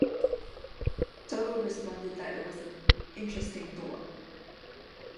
Dodell responded that it was an "interesting thought".